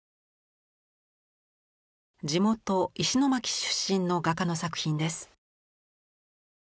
地元石巻出身の画家の作品です。